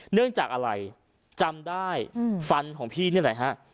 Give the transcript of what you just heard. เนื่องจากอะไรจำได้ฟันของพี่นี่แหละฮะ